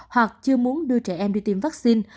hoặc chưa muốn đưa trẻ em đi tiêm vaccine